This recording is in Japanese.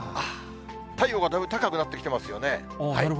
太陽がだいぶ高くなってきてますよね。